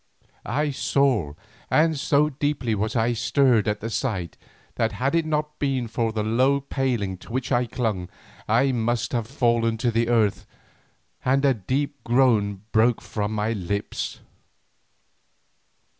I saw, and so deeply was I stirred at the sight, that had it not been for the low paling to which I clung, I must have fallen to the earth, and a deep groan broke from my lips.